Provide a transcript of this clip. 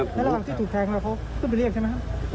ทะเลาะที่ถูกแทงนะเขาก็ไปเรียกใช่ไหมครับ